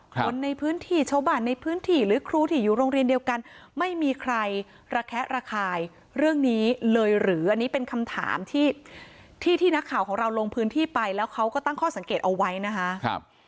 คนในพื้นที่ชาวบ้านในพื้นที่หรือครูที่อยู่โรงเรียนเดียวกันไม่มีใครระแคะระคายเรื่องนี้เลยหรืออันนี้เป็นคำถามที่ที่นักข่าวของเราลงพื้นที่ไปแล้วเขาก็ตั้งข้อสังเกตเอาไว้นะคะ